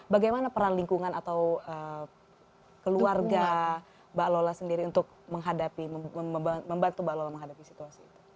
bagaimana peran lingkungan atau keluarga mbak lola sendiri untuk menghadapi membantu mbak lola menghadapi situasi itu